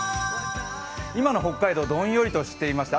今の北海道どんよりとしていました。